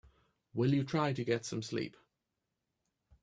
Will you try to get some sleep?